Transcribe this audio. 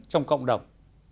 trong cộng đồng